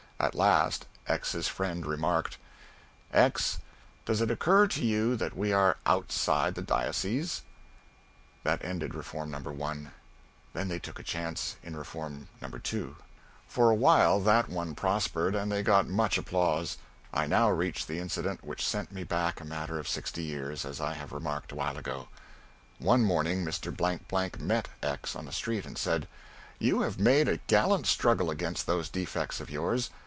At last X's friend remarked, "X, does it occur to you that we are outside the diocese?" That ended reform No. 1. Then they took a chance in reform No. 2. For a while that one prospered, and they got much applause. I now reach the incident which sent me back a matter of sixty years, as I have remarked a while ago. One morning Mr. Blank Blank met X on the street and said, "You have made a gallant struggle against those defects of yours.